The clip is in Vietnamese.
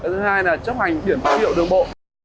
thứ hai là chấp hành biển phát hiệu đường bộ